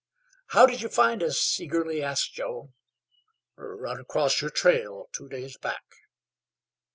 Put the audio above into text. "How did you find us?" eagerly asked Joe. "Run acrost yer trail two days back."